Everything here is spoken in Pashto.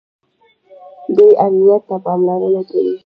دوی امنیت ته پاملرنه کوي.